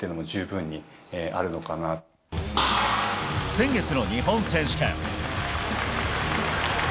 先月の日本選手権。